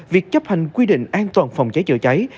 việc chấp hành quy định an toàn phòng cháy chữa cháy